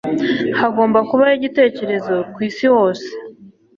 Hagomba kubaho igitekerezo ku isi hose